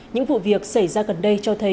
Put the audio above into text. những vụ việc xảy ra gần đây cho thấy